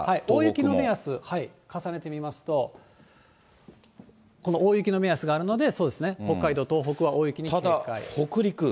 大雪の目安、重ねてみますと、この大雪の目安があるので、そうですね、北海道、ただ、北陸。